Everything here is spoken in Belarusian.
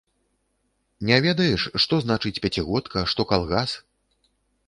Не ведаеш, што значыць пяцігодка, што калгас?